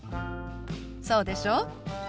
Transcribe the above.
そうでしょ。